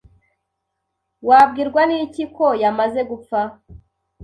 Wabwirwa n'iki ko yamaze gupfa?